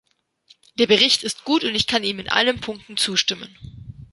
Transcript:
Der Bericht ist gut und ich kann ihm in allen Punkten zustimmen.